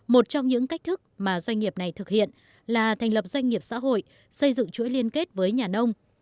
một trong những cách thức mà doanh nghiệp này thực hiện là thành lập doanh nghiệp xã hội xây dựng chuỗi liên kết với nhà nông